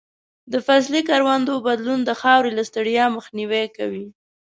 د فصلي کروندو بدلون د خاورې له ستړیا مخنیوی کوي.